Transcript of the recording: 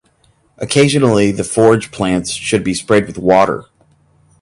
Occasionally the forage plants should be sprayed with water.